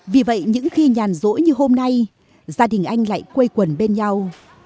vì vậy những khi nhàn rỗ như hôm nay gia đình anh lại quây quần bên nhau